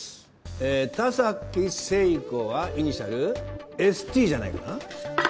え田崎せい子はイニシャルＳ・Ｔじゃないかな？